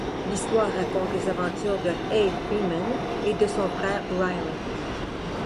L'histoire raconte les aventures de Huey Freeman et de son frère Riley.